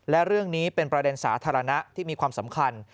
และเรื่องนี้เป็นประเด็นสาธารณะที่มีความสำคัญ